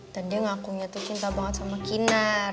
dan dia ngakunya tuh cinta banget sama kinar